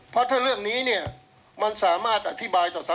ข้อมูลการพิจารณา